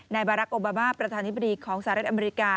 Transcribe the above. บารักษ์โอบามาประธานิบดีของสหรัฐอเมริกา